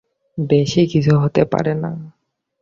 বেশি কিছু হতে পারে না।